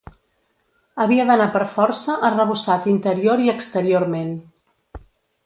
Havia d'anar per força arrebossat interior i exteriorment.